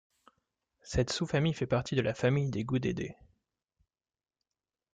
Cette sous-famille fait partie de la famille des Goodeidae.